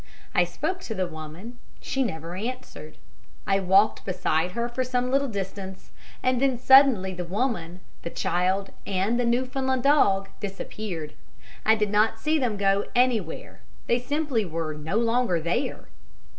I spoke to the woman, she never answered. I walked beside her for some little distance, and then suddenly the woman, the child, and the Newfoundland dog disappeared. I did not see them go anywhere, they simply were no longer there.